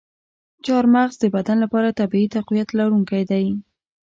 چارمغز د بدن لپاره طبیعي تقویت کوونکی دی.